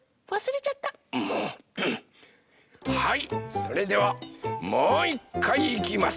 それではもういっかいいきます！